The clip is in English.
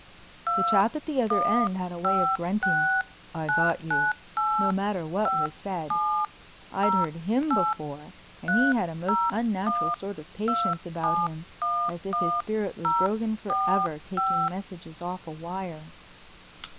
The chap at the other end had a way of grunting, "I got you," no matter what was said. I'd heard him before and he had a most unnatural sort of patience about him, as if his spirit was broken forever taking messages off a wire.